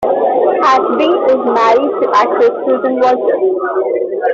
Ashby is married to actress Susan Walters.